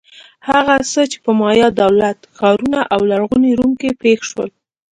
هغه څه چې په مایا دولت-ښارونو او لرغوني روم کې پېښ شول.